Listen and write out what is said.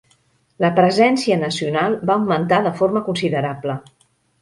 La presència nacional va augmentar de forma considerable.